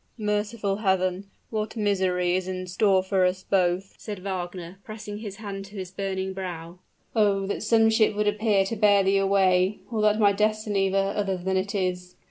"Merciful Heaven! what misery is in store for us both!" said Wagner, pressing his hand to his burning brow. "Oh! that some ship would appear to bear thee away or that my destiny were other than it is!"